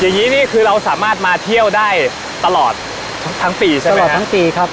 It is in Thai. อย่างนี้นี่คือเราสามารถมาเที่ยวได้ตลอดทั้งปีใช่ไหมตลอดทั้งปีครับ